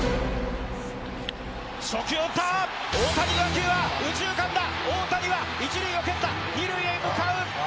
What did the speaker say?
初球を打った、大谷の打球は右中間だ、大谷は１塁を蹴った、２塁へ向かう。